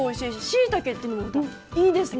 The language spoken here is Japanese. しいたけっていうのもいいですね。